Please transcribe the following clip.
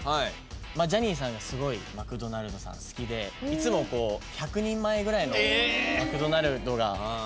ジャニーさんがすごいマクドナルドさん好きでいつも１００人前ぐらいのマクドナルドが届くんですよ。